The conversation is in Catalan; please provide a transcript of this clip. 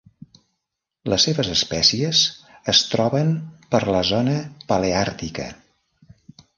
Les seves espècies es troben per la zona paleàrtica.